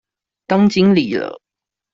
當經理了